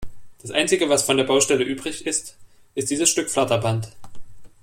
Das einzige, was von der Baustelle übrig ist, ist dieses Stück Flatterband.